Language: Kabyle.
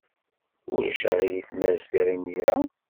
Ulac aɣilif ma rfiɣ imir-a?